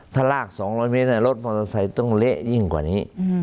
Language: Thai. ถ้าลากสองร้อยเมตรน่ะรถมอเตอร์ไซต์ต้องเละยิ่งกว่านี้อืม